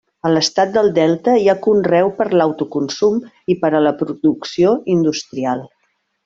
A l'estat del Delta hi ha conreu per l'autoconsum i per a la producció industrial.